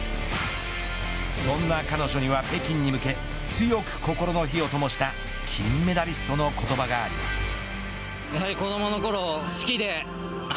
そんな彼女には北京に向け強く心の火をともした金メダリストの言葉があります。